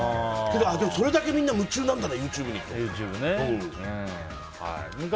でも、それだけ夢中なんだＹｏｕＴｕｂｅにって。